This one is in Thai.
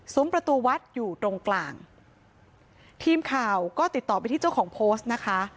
ประตูวัดอยู่ตรงกลางทีมข่าวก็ติดต่อไปที่เจ้าของโพสต์นะคะ